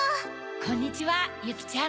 こんにちはゆきちゃん。